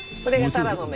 たらの芽？